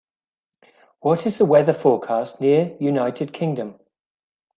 What is the weather forecast near United Kingdom